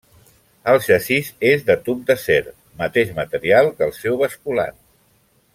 El xassís és de tub d'acer, mateix material que el seu basculant.